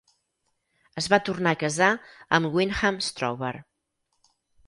Es va tornar a casar amb Wyndham Strover.